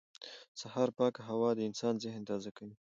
سهار پاکه هوا د انسان ذهن تازه کوي